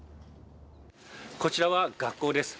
こちらは学校です。